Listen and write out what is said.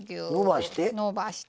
のばして。